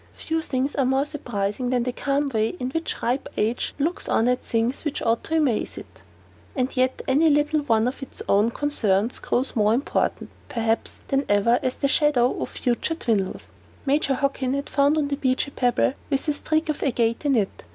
Few things are more surprising than the calm way in which ripe age looks on at things which ought to amaze it. And yet any little one of its own concerns grows more important, perhaps, than ever as the shadow of the future dwindles. Major Hockin had found on the beach a pebble with a streak of agate in it.